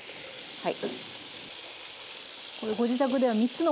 はい。